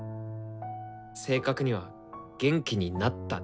正確には「元気になった」だけどね。